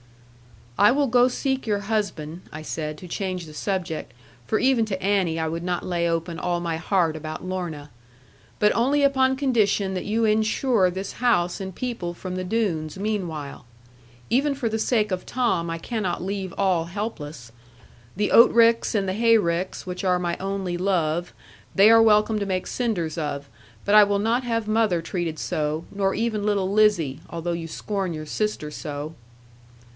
'I will go seek your husband,' I said, to change the subject, for even to Annie I would not lay open all my heart about Lorna: 'but only upon condition that you ensure this house and people from the Doones meanwhile. Even for the sake of Tom, I cannot leave all helpless. The oat ricks and the hay ricks, which are my only love, they are welcome to make cinders of. But I will not have mother treated so; nor even little Lizzie, although you scorn your sister so.'